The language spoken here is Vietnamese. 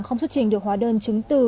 không xuất trình được hóa đơn chứng từ